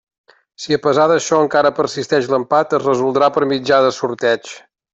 Si a pesar d'això encara persisteix l'empat, es resoldrà per mitjà de sorteig.